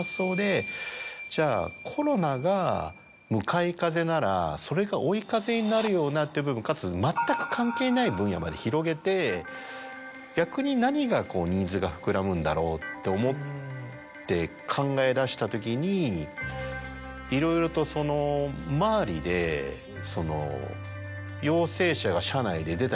じゃあコロナが向かい風ならそれが追い風になるようなっていう部分かつ全く関係ない分野まで広げて逆に何がニーズが膨らむんだろうって思って考え出した時にいろいろとその周りでその。